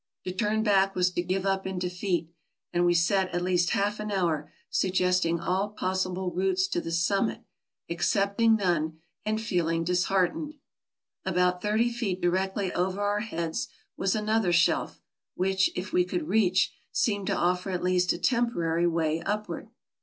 To turn back was to give up in defeat : and we sat at least half an hour suggest ing all possible routes to the summit, accepting none, and feeling disheartened. About thirty feet directly over our heads was another shelf, which, if we could reach, seemed to offer at least a temporary way upward.